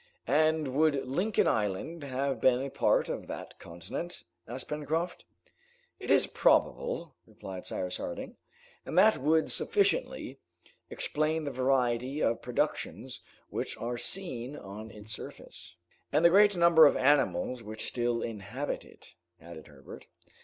"And would Lincoln Island have been a part of that continent?" asked Pencroft. "It is probable," replied Cyrus Harding, "and that would sufficiently, explain the variety of productions which are seen on its surface." "And the great number of animals which still inhabit it," added Herbert.